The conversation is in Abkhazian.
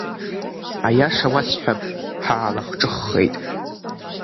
Аиаша уасҳәап, ҳаалахҿыххеит.